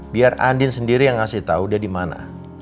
biar andin sendiri yang ngasih tau dia dimana